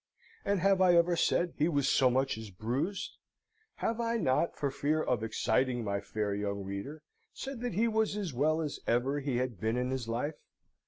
And have I ever said he was so much as bruised? Have I not, for fear of exciting my fair young reader, said that he was as well as ever he had been in his life?